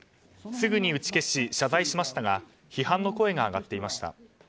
すぐに打ち消し謝罪しましたが批判の声が上がっていました。